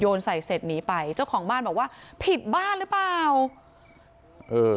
ใส่เสร็จหนีไปเจ้าของบ้านบอกว่าผิดบ้านหรือเปล่าเออ